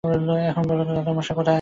এখন বল তো দাদা মহাশয় কোথায় আছেন।